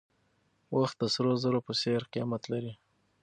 وخت د سرو زرو په څېر قیمت لري.